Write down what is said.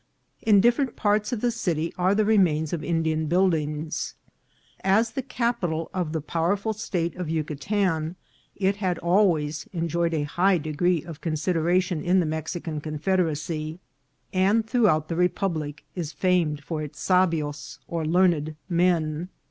In different parts of the city are the remains of Indian buildings. As the capital of the powerful State of Yuca tan, it had always enjoyed a high degree of considera tion in the Mexican Confederacy, and throughout the republic is famed for its sabios or learned men.